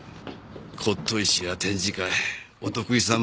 骨董市や展示会お得意さん